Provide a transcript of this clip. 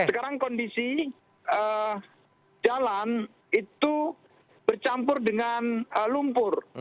sekarang kondisi jalan itu bercampur dengan lumpur